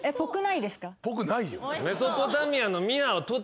ぽくないよ。